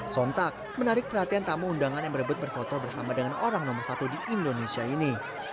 sontak menarik perhatian tamu undangan yang berebut berfoto bersama dengan orang nomor satu di indonesia ini